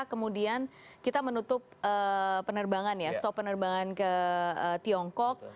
kemudian kita menutup penerbangan ya stop penerbangan ke tiongkok